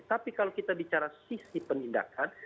tapi kalau kita bicara sisi penindakan